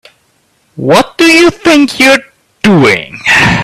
What do you think you're doing?